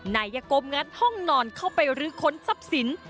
นายกมงัดห้องนอนเข้าไปรื้อค้นทรัพย์สิน